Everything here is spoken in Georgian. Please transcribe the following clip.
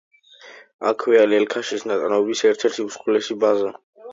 აქვეა ლელქაშის წარმოების ერთ-ერთი უმსხვილესი ბაზა.